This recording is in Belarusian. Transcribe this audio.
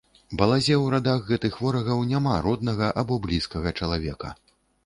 Балазе ў радах гэтых ворагаў няма роднага або блізкага чалавека.